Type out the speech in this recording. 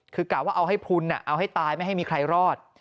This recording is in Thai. คือกะว่าเอาให้พลุนเอาให้ตายไม่ให้มีใครรอด